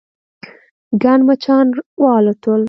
ګڼ مچان والوتل.